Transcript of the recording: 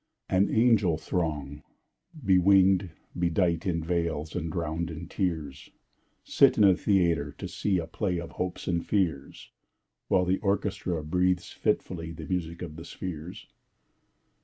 An angel throng, bewinged, bedight In veils, and drowned in tears, Sit in a theatre, to see A play of hopes and fears, While the orchestra breathes fitfully The music of the spheres.